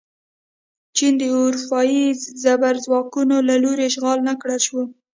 چین د اروپايي زبرځواکونو له لوري اشغال نه کړل شو.